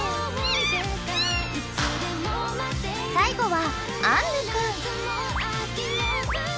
［最後は］